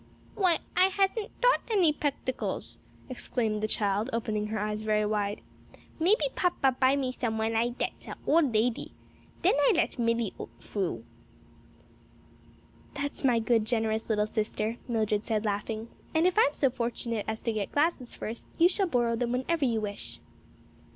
"Why, I hasn't dot any 'pectacles!" exclaimed the child, opening her eyes very wide. "Maybe papa buy me some when I dets an old lady. Den I lets Milly 'ook froo." "That's my good, generous little sister," Mildred said, laughing, "and if I'm so fortunate as to get glasses first, you shall borrow them whenever you wish."